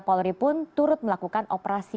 polri pun turut melakukan operasi